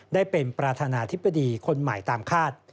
ได้เป็นประธานาธิบดีคนใหม่ตามคาด